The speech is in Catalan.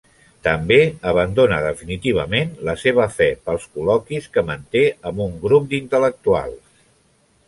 També abandona definitivament la seva fe pels col·loquis que manté amb un grup d'intel·lectuals.